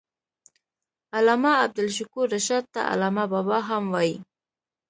علامه عبدالشکور رشاد ته علامه بابا هم وايي.